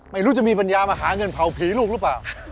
ไม่รู้จะมีปัญญามาหาเงินเผาผีลูกหรือเปล่า